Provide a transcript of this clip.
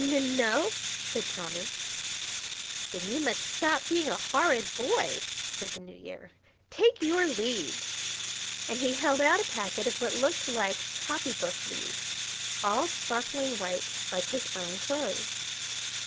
"N no!" said Tommy. "Then you must stop being a horrid boy!" said the New Year. "Take your leaves!" and he held out a packet of what looked like copy book leaves, all sparkling white, like his own clothes.